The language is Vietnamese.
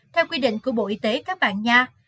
theo quy định của bộ y tế các bạn nha